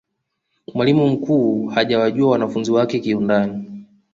mwalimu mkuu hajawajua wanafunzi wake kiundani